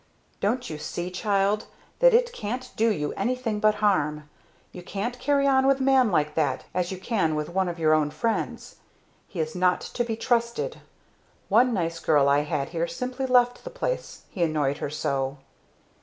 "Don't you see, child, that it can't do you anything but harm? You can't carry on with a man like that as you can with one of your own friends. He is not to be trusted. One nice girl I had here simply left the place he annoyed her so."